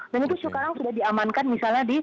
dan itu sekarang sudah diamankan misalnya